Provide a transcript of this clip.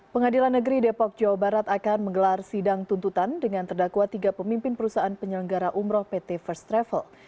pengadilan negeri depok jawa barat akan menggelar sidang tuntutan dengan terdakwa tiga pemimpin perusahaan penyelenggara umroh pt first travel